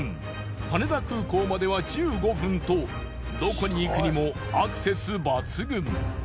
羽田空港までは１５分とどこに行くにもアクセス抜群。